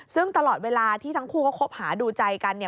ซึ่งตลอดเวลาที่ทั้งคู่เขาคบหาดูใจกันเนี่ย